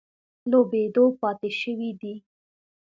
لوبېدو پاتې شوي دي.